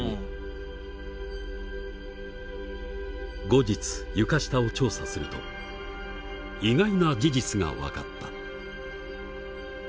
後日床下を調査すると意外な事実が分かった。